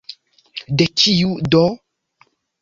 De kiu, do?